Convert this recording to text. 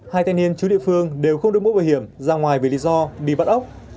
hai thanh niên chú địa phương đều không được mũ bảo hiểm ra ngoài vì lý do đi bắt ốc